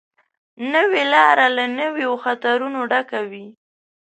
نوې لاره له نویو خطرونو ډکه وي